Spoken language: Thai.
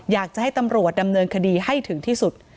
อยากจะให้ตำรวจดำเนินคดีให้ถึงที่สุด